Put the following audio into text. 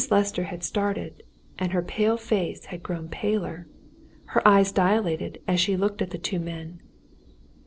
Lester had started, and her pale face had grown paler. Her eyes dilated as she looked at the two men.